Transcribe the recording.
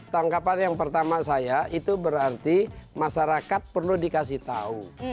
tangkapan yang pertama saya itu berarti masyarakat perlu dikasih tahu